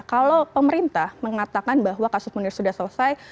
kalau pemerintah mengatakan bahwa kasus munir sudah selesai